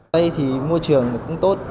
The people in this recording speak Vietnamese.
đây thì môi trường cũng tốt